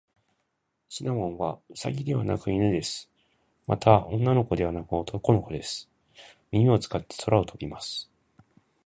シナモンはウサギではなく犬です。また、女の子ではなく男の子です。耳を使って空を飛びます。